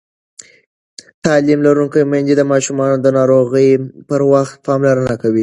تعلیم لرونکې میندې د ماشومانو د ناروغۍ پر وخت پاملرنه کوي.